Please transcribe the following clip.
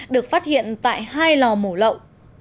được phát hiện tại hai lò mổ lậu